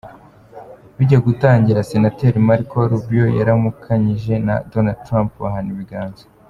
Bijya gutangira, Senateri Marco Rubio yaramukanyije na Donald Trump bahana ibiganza.